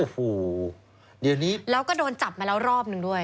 อ๋อฟูเดี๋ยวนี้เราก็โดนจับมาแล้วรอบนึงด้วย